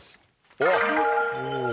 おっ。